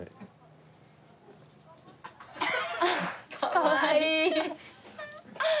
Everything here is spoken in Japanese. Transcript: かわいい。